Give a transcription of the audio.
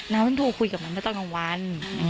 น้าเพิ่งโทรคุยกับมันตอนกลางวัน